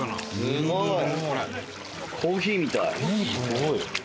すごい！